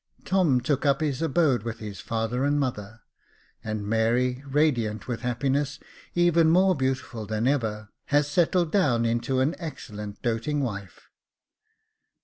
Tom took up his abode with his father and mother ; and Mary, radiant with happiness, even more beautiful than ever, has settled down into an excellent, doting wife.